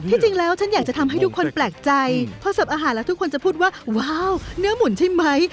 จริงแล้วฉันอยากจะทำให้ทุกคนแปลกใจพอเสิร์ฟอาหารแล้วทุกคนจะพูดว่าว้าวเนื้อหมุนใช่ไหม